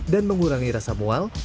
dan mengurangi rasa mual